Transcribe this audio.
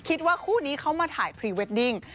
คู่นี้เขามาถ่ายพรีเวดดิ้ง